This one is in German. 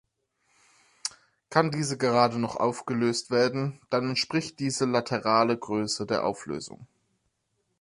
Kann diese gerade noch aufgelöst werden, dann entspricht diese laterale Größe der Auflösung.